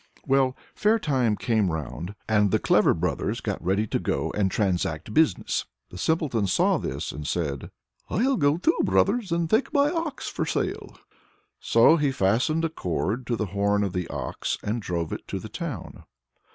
Well, fair time came round, and the clever brothers got ready to go and transact business. The Simpleton saw this, and said: "I'll go, too, brothers, and take my ox for sale." So he fastened a cord to the horn of the ox and drove it to the town.